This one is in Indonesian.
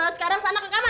sekarang sana ke kamar